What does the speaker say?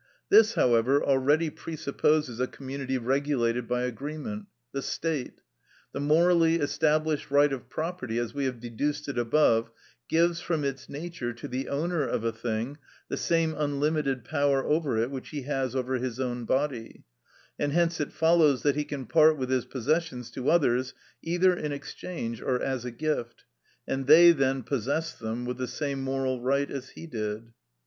This, however, already presupposes a community regulated by agreement—the State. The morally established right of property, as we have deduced it above, gives, from its nature, to the owner of a thing, the same unlimited power over it which he has over his own body; and hence it follows that he can part with his possessions to others either in exchange or as a gift, and they then possess them with the same moral right as he did.